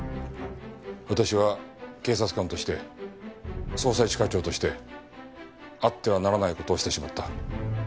私は警察官として捜査一課長としてあってはならない事をしてしまった。